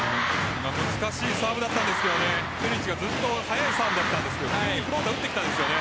難しいサーブだったんですけどずっと速いサーブだったんですけどフローで打ってきたんです。